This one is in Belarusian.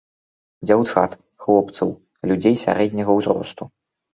Дзяўчат, хлопцаў, людзей сярэдняга ўзросту.